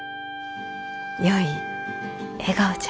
よい笑顔じゃ。